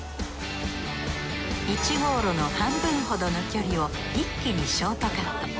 １号路の半分ほどの距離を一気にショートカット。